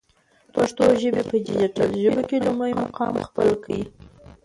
پښتو ژبی په ډيجيټل ژبو کی لمړی مقام خپل کړ.